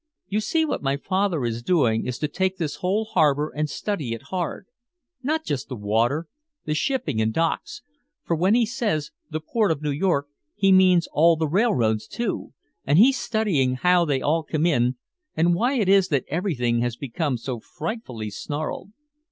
"You see what my father is doing is to take this whole harbor and study it hard not just the water, the shipping and docks, for when he says 'the port of New York' he means all the railroads too and he's studying how they all come in and why it is that everything has become so frightfully snarled.